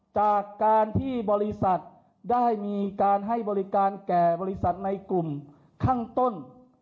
จากการที่บริษัทได้มีการให้บริการแก่บริษัทในกลุ่มข้างต้น